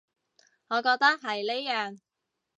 我覺得係呢樣